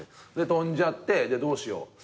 飛んじゃってどうしよう。